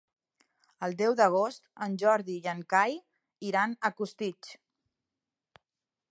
El deu d'agost en Jordi i en Cai iran a Costitx.